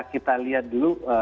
ya kita lihat dulu